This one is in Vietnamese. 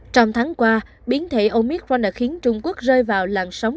trong tháng qua biến thể omicron đã khiến trung quốc rơi vào làn sóng